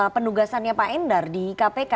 penugasannya pak endar di kpk